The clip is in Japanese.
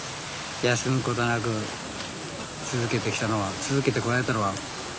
休むことなく続けてきたのは続けてこられたのは何でしょうかね